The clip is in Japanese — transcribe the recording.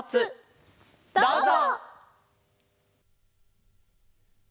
どうぞ！